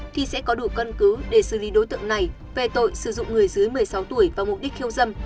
thì sẽ có đủ căn cứ để xử lý đối tượng này về tội sử dụng người dưới một mươi sáu tuổi vào mục đích khiêu dâm